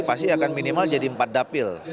pasti akan minimal jadi empat dapil